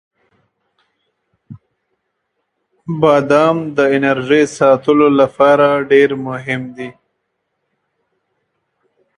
• بادام د انرژۍ ساتلو لپاره ډیر مهم دی.